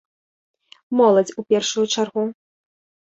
Моладзь, у першую чаргу.